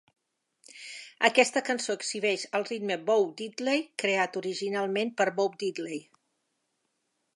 Aquesta cançó exhibeix el ritme Bo-Diddley, creat originalment per Bo Diddley.